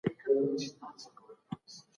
دغه سیمه د خپل موقعیت له امله ډېره مشهوره ده